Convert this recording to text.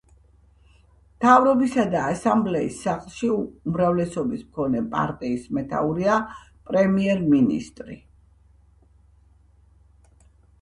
მთავრობისა და ასამბლეის სახლში უმრავლესობის მქონე პარტიის მეთაურია პრემიერ–მინისტრი.